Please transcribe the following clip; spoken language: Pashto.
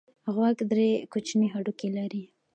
غوږ درې کوچني هډوکي لري.